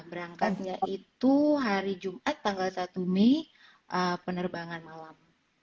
berangkatnya itu hari jumat tanggal satu mei penerbangan malam